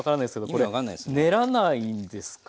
これ練らないんですか？